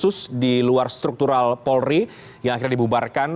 kasus di luar struktural polri yang akhirnya dibubarkan